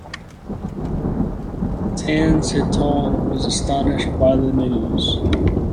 Tan Sitong was astonished by the news.